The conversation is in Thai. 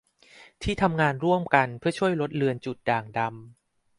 ที่ทำงานร่วมกันเพื่อช่วยลดเลือนจุดด่างดำ